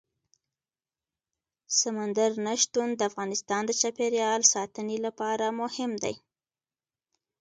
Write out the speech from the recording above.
سمندر نه شتون د افغانستان د چاپیریال ساتنې لپاره مهم دي.